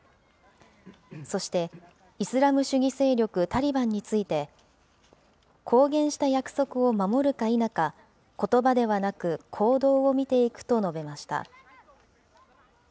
そして、イスラム主義勢力タリバンについて、公言した約束を守るか否か、ことばではなく行動を見ていくと述べました。